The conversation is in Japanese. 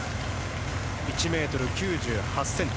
１ｍ９８ｃｍ。